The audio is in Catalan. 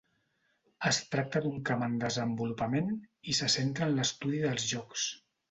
Es tracta d'un camp en desenvolupament, i se centra en l'estudi dels jocs.